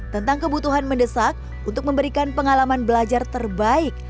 tentang kebutuhan mendesak untuk memberikan pengalaman belajar terbaik